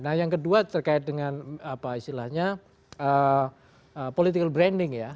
nah yang kedua terkait dengan apa istilahnya political branding ya